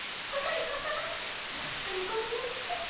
赤いのさまよろしくにございます。